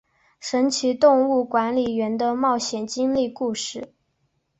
神奇动物管理员的冒险经历故事。